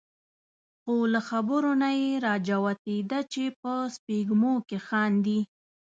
خو له خبرو نه یې را جوتېده چې په سپېږمو کې خاندي.